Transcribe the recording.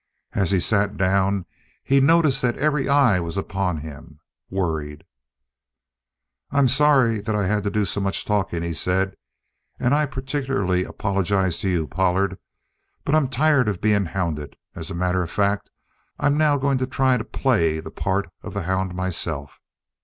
As he sat down, he noticed that every eye was upon him, worried. "I'm sorry that I've had to do so much talking," he said. "And I particularly apologize to you, Pollard. But I'm tired of being hounded. As a matter of fact, I'm now going to try to play the part of the hound myself.